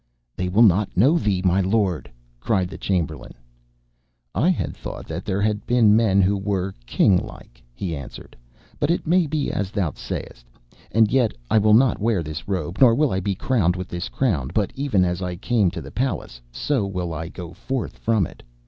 'They will not know thee, my lord,' cried the Chamberlain. 'I had thought that there had been men who were kinglike,' he answered, 'but it may be as thou sayest. And yet I will not wear this robe, nor will I be crowned with this crown, but even as I came to the palace so will I go forth from it.